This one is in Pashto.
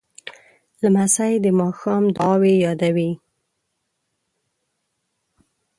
لمسی د ماښام دعاوې یادوي.